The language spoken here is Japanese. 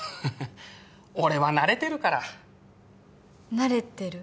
俺は慣れてるから慣れてる？